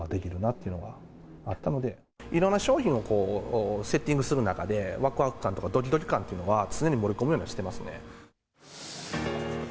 いろんな商品をセッティングする中で、わくわく感とかドキドキ感っていうのは、常に盛り込むようにしてますね。